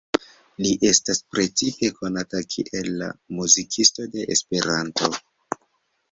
Li estas precipe konata kiel „la muzikisto de Esperanto“.